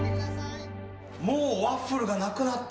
もうワッフルがなくなった。